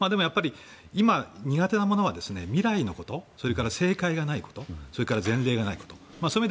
今、苦手なものは未来のことそれから正解がないことそれから前例がないもの。